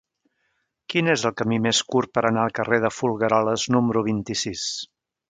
Quin és el camí més curt per anar al carrer de Folgueroles número vint-i-sis?